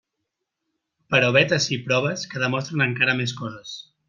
Però vet ací proves que demostren encara més coses.